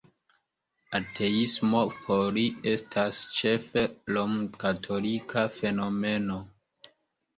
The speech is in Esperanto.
Ateismo por li estas ĉefe romkatolika fenomeno!